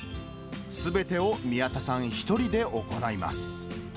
すべてを宮田さん１人で行います。